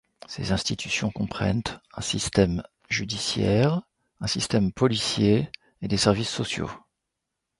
Ces institutions comprennent un système judiciaire, un système policier et des services sociaux.